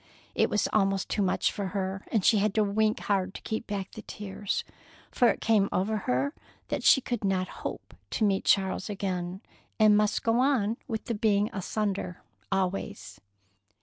it was almost too much for her, and she had to wink hard to keep back the tears, for it came over her that she could not hope to meet Charles again, but must go on with the being asunder always.